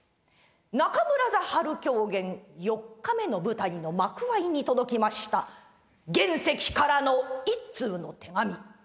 中村座春狂言４日目の舞台の幕あいに届きました玄碩からの一通の手紙。